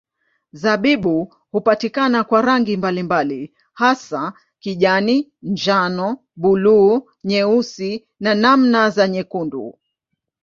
Zabibu hupatikana kwa rangi mbalimbali hasa kijani, njano, buluu, nyeusi na namna za nyekundu.